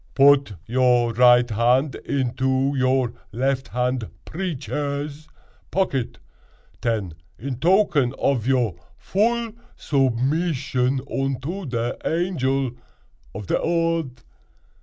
"Put your right hand into your left hand preeches pocket, ten, in token ov your vull zubmizzion unto te Angel ov te Odd."